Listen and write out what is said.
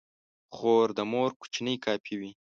خور د مور کوچنۍ کاپي وي.